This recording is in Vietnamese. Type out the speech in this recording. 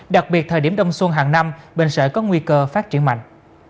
đặc biệt thời điểm đông xuân hàng năm bệnh sởi có nguy cơ phát triển mạnh